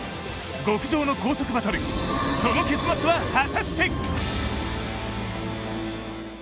極上の高速バトル、その結末は果たして？